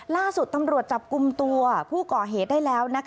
ล่าสุดตำรวจจับกลุ่มตัวผู้ก่อเหตุได้แล้ว